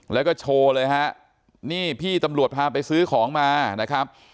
แล้วก็โชว์เลยฮะนี่พี่ตำรวจพาไปซื้อของมานะครับ